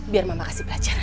biar mama kasih pelajaran